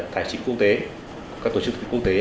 tài trị quốc tế các tổ chức quốc tế